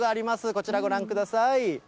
こちらご覧ください。